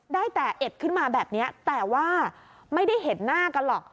ได้แต่เอ็ดขึ้นมาแบบนี้แต่ว่าไม่ได้เห็นหน้ากันหรอก